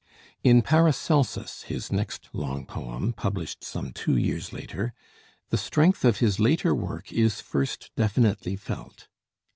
In 'Paracelsus,' his next long poem, published some two years later, the strength of his later work is first definitely felt.